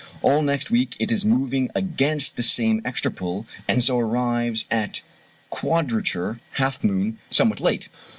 All next week it is moving against the same extra pull, and so arrives at quadrature (half moon) somewhat late.